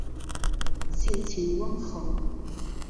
性情温和。